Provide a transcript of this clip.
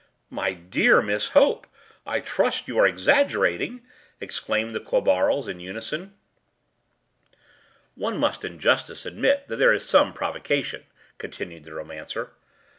“_My dear_ Miss Hope! I trust you are exaggerating,” exclaimed the Quabarls in unison. “One must in justice admit that there is some provocation,” continued the romancer.